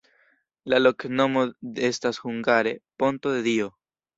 La loknomo estas hungare: ponto-de-Dio.